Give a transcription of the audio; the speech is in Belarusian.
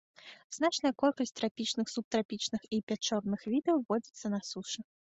Значная колькасць трапічных, субтрапічных і пячорных відаў водзіцца на сушы.